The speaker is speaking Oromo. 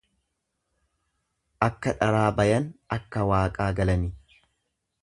Akka dharaa bayan akka Waaqaa galani.